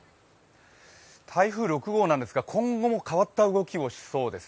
台風６号なんですが今後も変わった動きをしそうです。